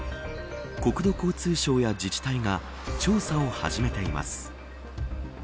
国土交通省や自治体が調査を始めています。